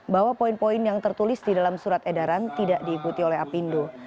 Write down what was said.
bahwa poin poin yang tertulis di dalam surat edaran tidak diikuti oleh apindo